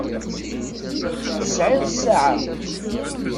Tesɛiḍ ssaɛa.